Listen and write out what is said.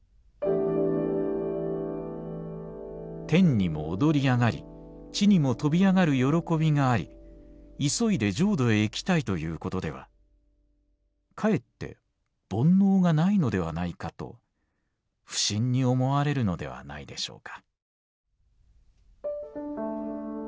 「天にも躍り上がり地にも跳び上がる喜びがあり急いで浄土へ行きたいということではかえって煩悩がないのではないかと不審に思われるのではないでしょうか」。